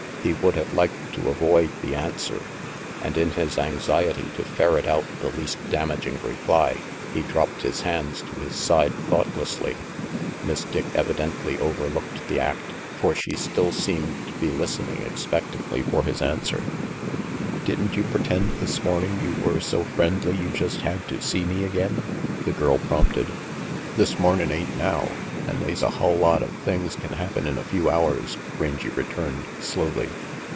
He would have liked to avoid the answer, and in his anxiety to ferret out the least damaging reply he dropped his hands to his side thoughtlessly. Miss Dick evidently overlooked the act, for she still seemed to be listening expectantly for his answer. 286 RANGY PETE v> sn "Didn't you pretend this morning you were so friendly you just had to see me again?" the girl prompted. "This mornin' ain't now, an' they's a hull lot of things can happen in a few hours," Rangy returned slowly.